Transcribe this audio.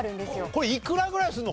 これいくらぐらいするの？